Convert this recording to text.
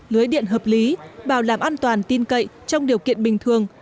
lưới điện hợp lý bảo đảm an toàn tin cậy trong điều kiện bình thường